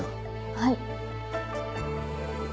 はい。